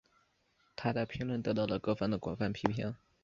她的评论得到了各方的广泛批评。